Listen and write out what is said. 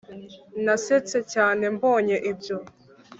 Nasetse cyane mbonye ibyo